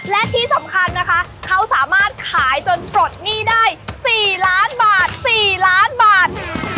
และที่สำคัญนะคะเขาสามารถขายจนปลดหนี้ได้๔ล้านบาท๔ล้านบาท